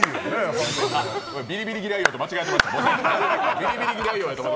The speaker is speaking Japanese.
ビリビリ嫌い王と間違えました。